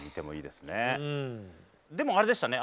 でもあれでしたね